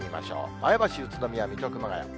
前橋、宇都宮、水戸、熊谷。